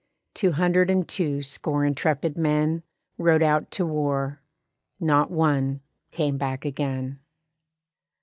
Two hundred and two score intrepid men Rode out to war; not one came back again.